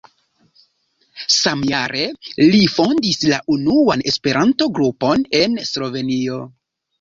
Samjare li fondis la unuan Esperanto-grupon en Slovenio.